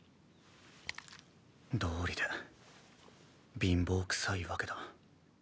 どうりで貧乏くさいわけだ。